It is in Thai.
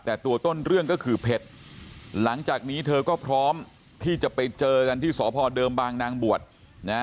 แต่ตัวต้นเรื่องก็คือเพชรหลังจากนี้เธอก็พร้อมที่จะไปเจอกันที่สพเดิมบางนางบวชนะ